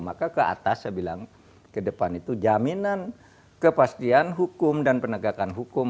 maka ke atas saya bilang ke depan itu jaminan kepastian hukum dan penegakan hukum